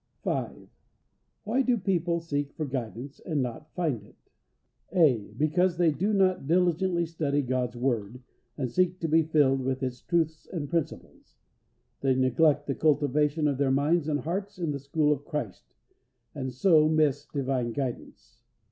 5. Why do people seek for guidance and not find it? (a) Because they do not diligently study God's word, and seek to be filled with its truths and principles. They neglect the cultivation of their minds and hearts in the school of Christ, and so miss Divine guidance.